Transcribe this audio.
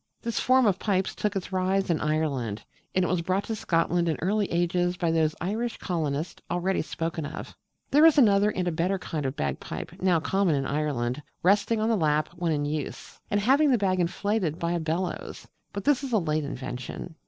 This form of pipes took its rise in Ireland: and it was brought to Scotland in early ages by those Irish colonists already spoken of (page 11). There is another and a better kind of bagpipes, now common in Ireland, resting on the lap when in use, and having the bag inflated by a bellows: but this is a late invention.